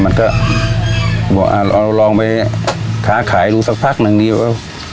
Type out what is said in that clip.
มันก็บอกเราลองไปค้าขายดูสักพักหนึ่งดีกว่า